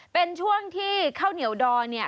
เป็นช่วงที่ข้าวเหนียวดอง